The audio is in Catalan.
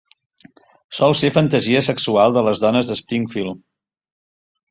Sol ser fantasia sexual de les dones de Springfield.